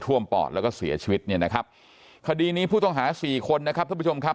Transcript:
ปอดแล้วก็เสียชีวิตเนี่ยนะครับคดีนี้ผู้ต้องหาสี่คนนะครับท่านผู้ชมครับ